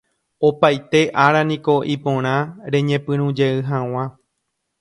Opaite áraniko iporã reñepyrũjey hag̃ua